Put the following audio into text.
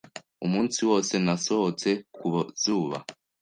Umunsi wose nasohotse ku zuba.